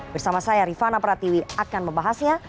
bersama saya rifana pratiwi akan membahasnya